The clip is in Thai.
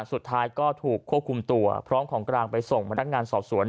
สุดท้ายก็ถูกควบคุมตัวพร้อมของกลางไปส่งพนักงานสอบสวน